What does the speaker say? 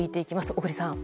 小栗さん。